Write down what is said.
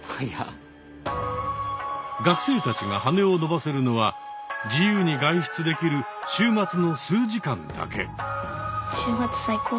学生たちが羽を伸ばせるのは自由に外出できる週末の数時間だけ。